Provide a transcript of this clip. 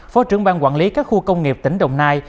phó trưởng ban quản lý các khu công nghiệp tỉnh đồng nai